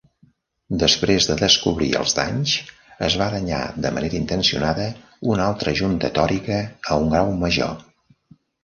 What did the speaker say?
Després de descobrir els danys, es va danyar de manera intencionada una altra junta tòrica a un grau major.